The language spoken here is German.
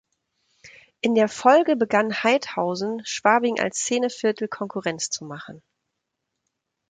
In der Folge begann Haidhausen, Schwabing als Szeneviertel Konkurrenz zu machen.